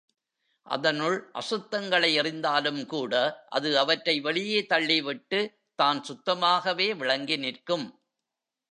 அதனுள் அசுத்தங்களை எறிந்தாலுங்கூட அது அவற்றை வெளியே தள்ளி விட்டுத் தான் சுத்தமாகவே விளங்கி நிற்கும்.